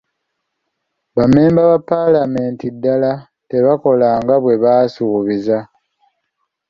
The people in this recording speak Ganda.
Ba mmemba ba paalamenti ddala tebakola nga bwe baasuubiza.